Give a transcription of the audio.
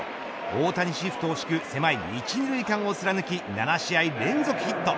大谷シフトを敷く狭い一、二塁間を貫き７試合連続ヒット。